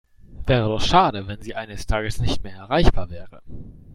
Wäre doch schade, wenn Sie eines Tages nicht mehr erreichbar wäre.